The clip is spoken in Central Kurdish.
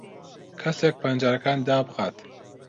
کەسێک پەنجەرەکان دابخات.